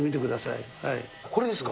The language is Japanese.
これですか？